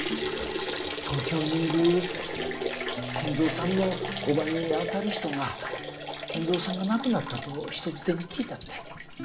東京にいる賢三さんの叔母にあたる人が賢三さんが亡くなったと人づてに聞いたみたいで。